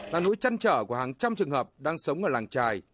là nỗi chăn trở của hàng trăm trường hợp đang sống ở làng trài